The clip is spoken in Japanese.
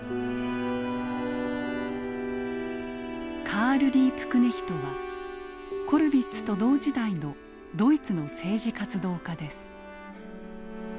カール・リープクネヒトはコルヴィッツと同時代のドイツの政治活動家です。